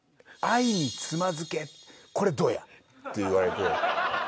「『愛につまずけ』これどうや？」って言われて。